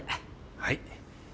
はい。